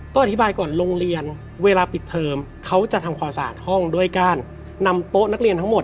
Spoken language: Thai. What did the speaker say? อธิบายก่อนโรงเรียนเวลาปิดเทอมเขาจะทำความสะอาดห้องด้วยการนำโต๊ะนักเรียนทั้งหมด